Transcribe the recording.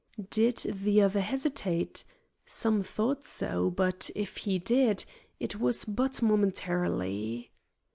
Did the other hesitate? Some thought so; but, if he did, it was but momentarily.